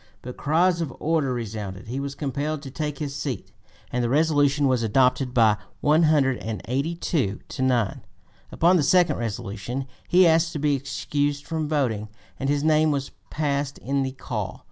But cries of "order" resounded; he was compelled to take his seat and the resolution was adopted by 182 to 9. Upon the second resolution he asked to be excused from voting, and his name was passed in the call.